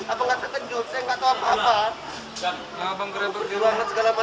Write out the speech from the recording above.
apa nggak terkejut saya nggak tahu apa apa